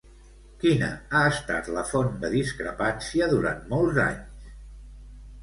Quina ha estat la font de discrepància durant molts anys?